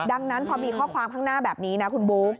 ดังนั้นพอมีข้อความข้างหน้าแบบนี้นะคุณบุ๊ค